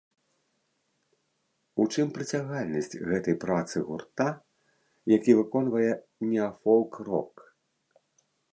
У чым прыцягальнасць гэтай працы гурта, які выконвае неафолк-рок?